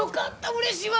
うれしいわ！